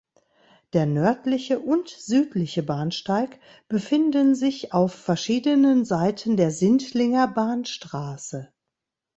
Der nördliche und südliche Bahnsteig befinden sich auf verschiedenen Seiten der Sindlinger Bahnstraße.